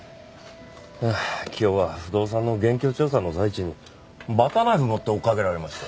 ああ今日は不動産の現況調査の最中にバターナイフ持って追っかけられましたよ。